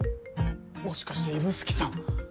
もしかして指宿さん。